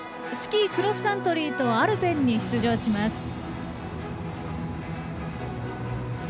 スキー・クロスカントリーとアルペンに出場します。